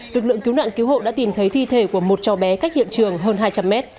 lực lượng cứu nạn cứu hộ đã tìm thấy thi thể của một cháu bé cách hiện trường hơn hai trăm linh m